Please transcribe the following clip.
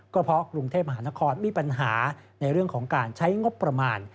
ก็เพราะกรุงเทพมหานครมีปัญหาในเรื่องของการใช้งบประมาณ